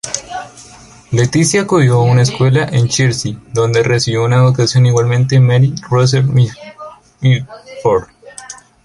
Letitia acudió a una escuela en Chelsea donde recibió educación igualmente Mary Russell Mitford.